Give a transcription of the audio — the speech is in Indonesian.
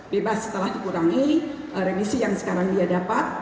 bebas setelah dikurangi remisi yang sekarang dia dapat